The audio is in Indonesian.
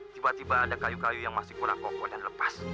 tiba tiba ada kayu kayu yang masih kurang kokoh dan lepas